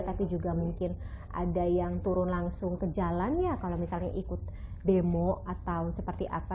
tapi juga mungkin ada yang turun langsung ke jalan ya kalau misalnya ikut demo atau seperti apa